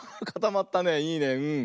いいねうん。